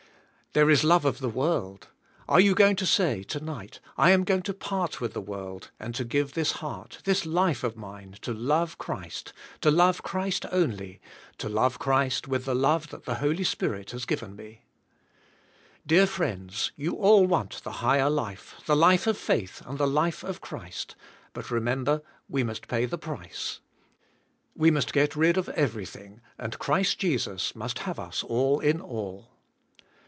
There is the love of the world. Are you going to say, to night, "I am going to part with the world and to give this heart, this life of mine to love Christ, to love Christ only, to love Christ with the love that the Holy Spirit has given me." Dear friends, you all want the higher life, the life of faith, and the life of Christ, but remember, we must pay the price We must get rid of everything and Christ Jesus must have us all in all.